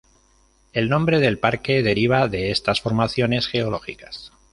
El nombre del parque deriva de estas formaciones geológicas.